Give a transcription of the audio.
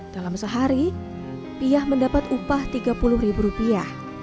dalam sehari piyah mendapat upah tiga puluh ribu rupiah